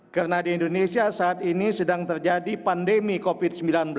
karena di indonesia saat ini sedang terjadi pandemi covid sembilan belas